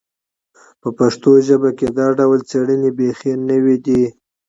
په پښتو ژبه کې دا ډول څېړنې بیخي نوې دي